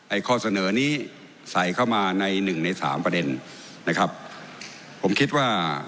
ข้อเสนอนี้ใส่เข้ามาในหนึ่งในสามประเด็นนะครับผมคิดว่า